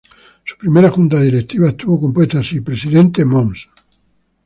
Su primera Junta Directiva estuvo compuesta así: presidente, Mons.